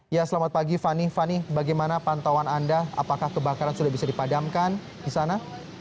ya selamat pagi fani fani bagaimana pantauan anda apakah kebakaran sudah bisa dipadamkan di sana